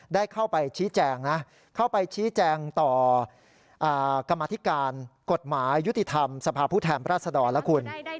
ได้เข้าไปชี้แจงนะเข้าไปชี้แจงต่อกรรมธิการกฎหมายยุติธรรมสภาพผู้แทนราชดรแล้วคุณ